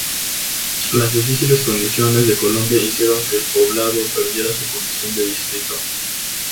Las difíciles condiciones de Colombia hicieron que el poblado perdiera su condición de distrito.